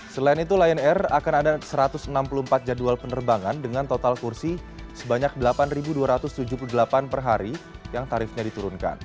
selain itu lion air akan ada satu ratus enam puluh empat jadwal penerbangan dengan total kursi sebanyak delapan dua ratus tujuh puluh delapan per hari yang tarifnya diturunkan